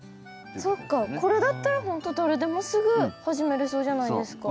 これだったらほんと誰でもすぐ始めれそうじゃないですか。